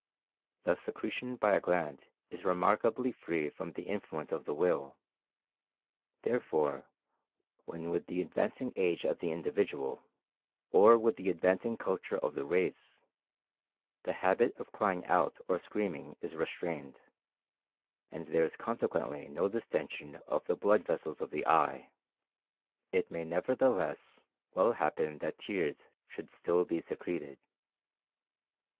The secretion by a gland is remarkably free from the influence of the will; therefore, when with the advancing age of the individual, or with the advancing culture of the race, the habit of crying out or screaming is restrained, and there is consequently no distension of the blood vessels of the eye, it may nevertheless well happen that tears should still be secreted.